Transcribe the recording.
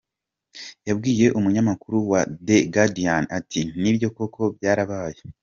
Yabwiye umunyamakuru wa The guardian ati:”Nibyo koko byarabaye.